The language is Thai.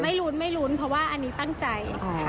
ลุ้นไม่ลุ้นเพราะว่าอันนี้ตั้งใจ